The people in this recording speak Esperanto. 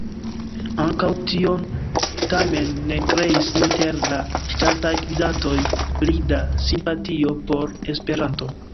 Ankaŭ tio tamen ne kreis inter la ŝtataj gvidantoj pli da simpatio por Esperanto.